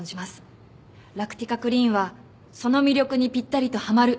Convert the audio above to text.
ラクティカクリーンはその魅力にぴったりとはまる商品です。